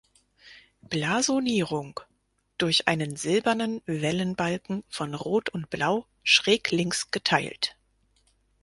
Blasonierung: „Durch einen silbernen Wellenbalken von Rot und Blau schräglinks geteilt.